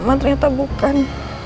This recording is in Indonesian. tapi ternyata bukan